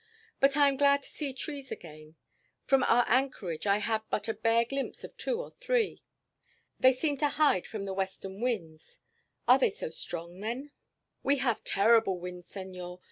But I am glad to see trees again. From our anchorage I had but a bare glimpse of two or three. They seem to hide from the western winds. Are they so strong, then?" "We have terrible winds, senor.